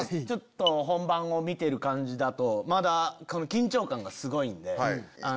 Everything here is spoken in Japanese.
ちょっと本番を見てる感じだと、まだ、この緊張感がすごいんで。